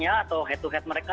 ya itu sudah berusaha berusaha